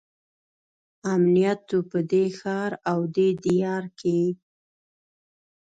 امنیت وو په دې ښار او دې دیار کې.